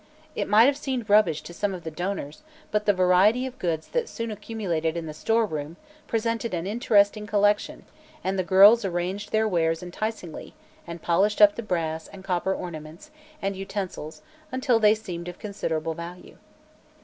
It may have seemed "rubbish" to some of the donors, but the variety of goods that soon accumulated in the store room presented an interesting collection and the girls arranged their wares enticingly and polished up the brass and copper ornaments and utensils until they seemed of considerable value.